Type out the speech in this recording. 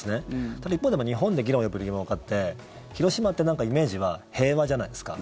ただ一方で日本で議論を呼ぶ理由もわかって広島って、なんかイメージは平和じゃないですか。